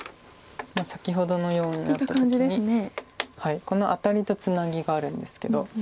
先ほどのようになった時にこのアタリとツナギがあるんですけど。